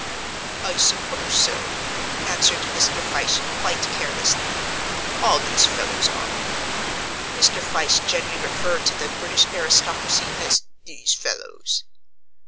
"I suppose so," answered Mr. Fyshe quite carelessly. "All these fellows are." (Mr. Fyshe generally referred to the British aristocracy as "these fellows.")